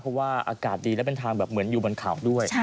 เพราะว่าอากาศดีและเป็นทางแบบเหมือนอยู่บนเขาด้วย